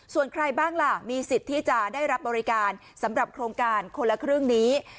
ส่วนใครบ้างล่ะมีสิทธิ์ที่จะได้รับบริการสำหรับโครงการคนละครึ่งนี้